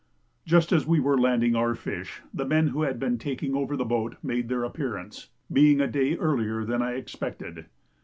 Just as we were landing our fish, the men who had been taking over the boat made their appearance, being a day earlier than I expected.